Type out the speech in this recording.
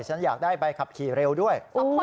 ฉันอยากได้ใบขับขี่เร็วด้วย